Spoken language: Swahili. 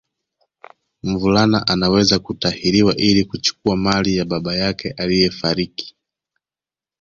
Mvulana Anaweza kutahiriwa ili kuchukua mali ya baba yake aliyefariki